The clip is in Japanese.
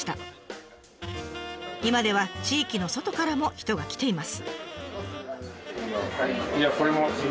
今では地域の外からも人が来ています。